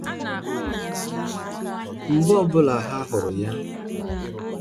mgbe ọbụla ha hụrụ ya.